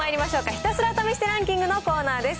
ひたすら試してランキングのコーナーです。